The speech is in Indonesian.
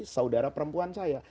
saudara perempuan saya